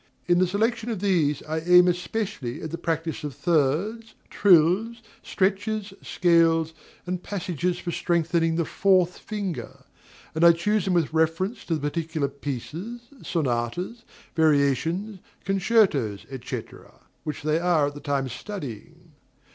In the selection of these, I aim especially at the practice of thirds, trills, stretches, scales, and passages for strengthening the fourth finger; and I choose them with reference to the particular pieces, sonatas, variations, concertos, &c., which they are at the time studying.